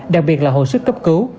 đặc biệt là hồi sức cấp cứu